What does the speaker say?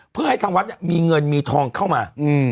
เพื่อให้ทางวัดเนี่ยมีเงินมีทองเข้ามาอืม